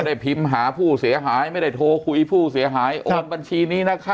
พิมพ์หาผู้เสียหายไม่ได้โทรคุยผู้เสียหายโอนบัญชีนี้นะคะ